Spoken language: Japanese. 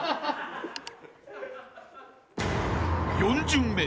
［４巡目。